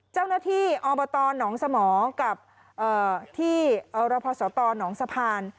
เจ้าหน้าที่อบตหนองสมกับที่รพศตหนองสะพาน